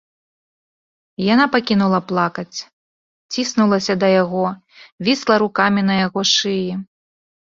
Яна пакінула плакаць, ціснулася да яго, вісла рукамі на яго шыі.